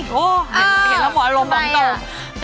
เห็นแล้วแต่หัวอารมณ์บอกต่อ